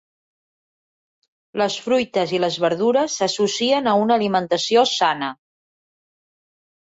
Les fruites i les verdures s'associen a una alimentació sana